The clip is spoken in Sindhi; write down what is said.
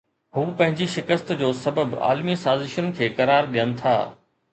هو پنهنجي شڪست جو سبب عالمي سازشن کي قرار ڏين ٿا